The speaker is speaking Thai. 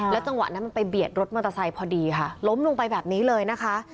จังหวะนั้นมันไปเบียดรถมอเตอร์ไซค์พอดีค่ะล้มลงไปแบบนี้เลยนะคะ